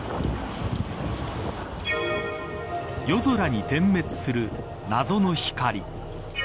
夜空に点滅する謎の光。